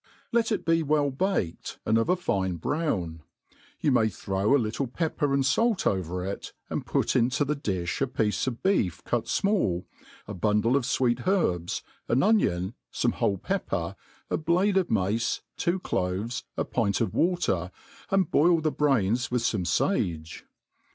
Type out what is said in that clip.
Let it be well baked, and of i fine brown \ you may throw a little pepper and fait over it, and put into the difli a piece of beef cut fmall, a bundle of fweet herbs, an onion, fom& whole pepper, a blade of mace/ two cloves, a pint of water, and boil the brains with fome fage.